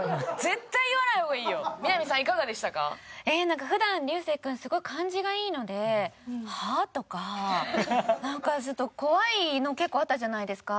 なんか普段流星君すごい感じがいいので「は？」とかなんかちょっと怖いの結構あったじゃないですか。